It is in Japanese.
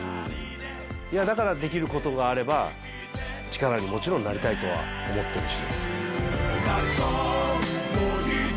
だからできることがあれば、力にもちろんなりたいとは思ってるし。